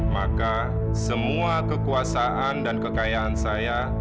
maka semua kekuasaan dan kekayaan saya